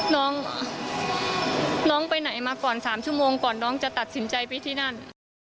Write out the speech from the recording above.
น้องน้องไปไหนมา๓ชั่วโมงควรก่อนจะตัดสินใจไปที่นั่น